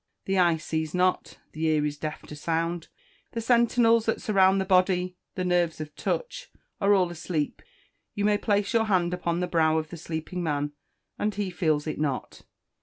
The eye sees not, the ear is deaf to sound, the sentinels that surround the body, the nerves of touch, are all asleep you may place your hand upon the brow of the sleeping man, and he feels it not.